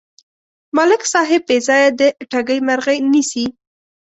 ملک صاحب بېځایه د ټګۍ مرغۍ نیسي.